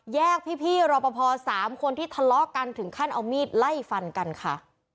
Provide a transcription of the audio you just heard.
พี่รอปภ๓คนที่ทะเลาะกันถึงขั้นเอามีดไล่ฟันกันค่ะ